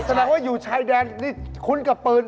แสดงว่าอยู่ชายแดนนี่คุ้นกับปืน